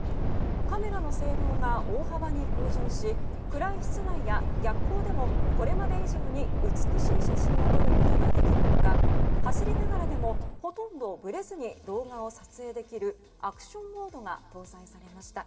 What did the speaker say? カメラの性能が大幅に向上し暗い室内や逆光でもこれまで以上に美しい写真を撮ることができる他走りながらでもほとんどぶれずに動画を撮影できるアクションモードが搭載されました。